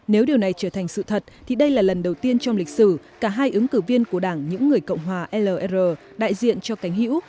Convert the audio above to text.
nếu điều này trở thành sự thật thì đây là lần đầu tiên trong lịch sử cả hai ứng cử viên của đảng những người cộng hòa lr đại diện cho cánh hữu